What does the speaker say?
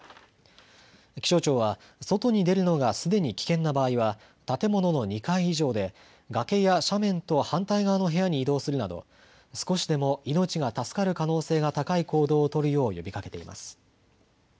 気象庁は外に出るのがすでに危険な場合は、建物の２階以上で崖や斜面と反対側の部屋に移動するなど少しでも命が助かる可能性が高い行動を取るよう呼びかけています。